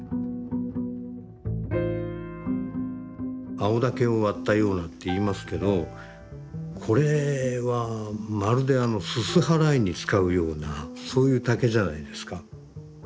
「青竹を割ったような」って言いますけどこれはまるであのすす払いに使うようなそういう竹じゃないですか。